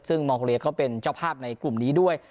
ซึ่งมองโกเลียเขาเป็นเจ้าภาพในกลุ่มนี้ด้วย